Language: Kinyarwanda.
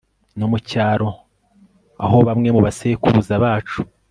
yo mu cyaro aho bamwe mu basekuruza bacu